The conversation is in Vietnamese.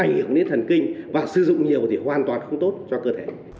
ảnh hưởng đến thần kinh và sử dụng nhiều thì hoàn toàn không tốt cho cơ thể